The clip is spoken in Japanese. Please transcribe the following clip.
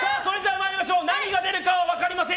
参りましょう何が出るかはわかりません。